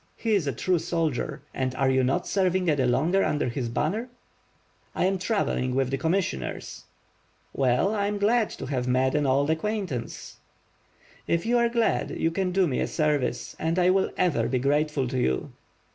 He is a true soldier. Are you not serving any longer under his banner?" ^T. am travelling with the commissioners." *^ell, I am glad to have met an old acquaintance." *T[f you are glad, you can do me a service; and I will ever be grateful to you."